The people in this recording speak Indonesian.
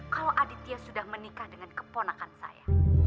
kalau aditya sudah menikah dengan keponakan saya